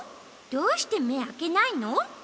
どうしてめあけないの？